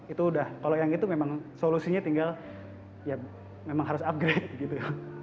itu udah kalau yang itu memang solusinya tinggal ya memang harus upgrade gitu ya